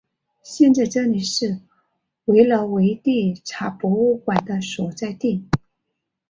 现在这里是维罗维蒂察博物馆的所在地。